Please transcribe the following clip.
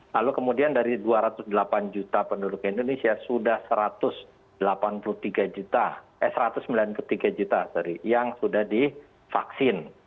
lalu kemudian dari dua ratus delapan juta penduduk indonesia sudah satu ratus delapan puluh tiga juta eh satu ratus sembilan puluh tiga juta sorry yang sudah divaksin